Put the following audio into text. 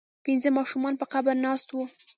پنځه ماشومان په قبر ناست وو.